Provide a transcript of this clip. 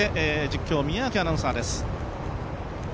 実況、宮脇アナウンサーです。